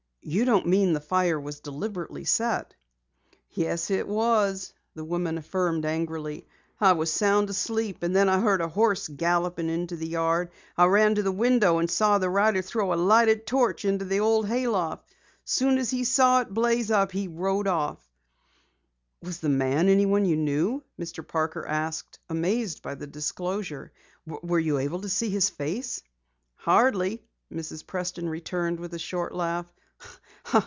"You don't mean the fire deliberately was set?" "Yes, it was," the woman affirmed angrily. "I was sound asleep, and then I heard a horse galloping into the yard. I ran to the window and saw the rider throw a lighted torch into the old hay loft. As soon as he saw it blaze up, he rode off." "Was the man anyone you knew?" Mr. Parker asked, amazed by the disclosure. "Were you able to see his face?" "Hardly," Mrs. Preston returned with a short laugh.